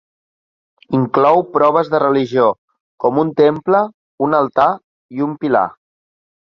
Inclou proves de religió, como un temple, un altar i un pilar.